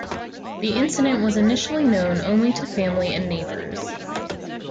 The incident was initially known only to family and neighbors.